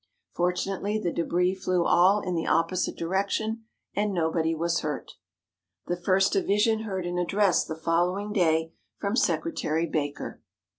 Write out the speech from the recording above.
Fortunately, the débris flew all in the opposite direction, and nobody was hurt. The First Division heard an address the following day from Secretary Baker.